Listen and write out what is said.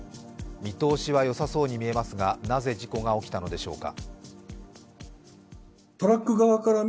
見通しは良さそうに見えますがなぜ事故が起きたのでしょうか。